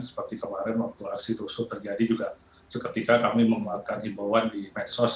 seperti kemarin waktu aksi rusuh terjadi juga seketika kami mengeluarkan imbauan di medsos